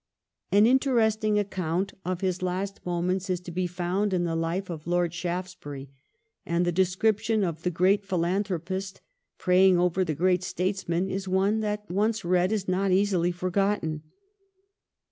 An interesting account of his last moments is to be found in the life of Lord Shaftesbury, and the description of the great philanthropist praying over the great statesman is one that, once read, is not easily forgotten.